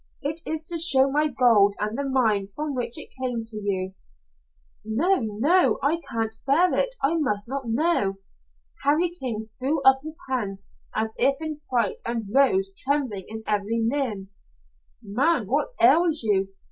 It is to show my gold and the mine from which it came to you " "No, no! I can't bear it. I must not know." Harry King threw up his hands as if in fright and rose, trembling in every limb. "Man, what ails you?"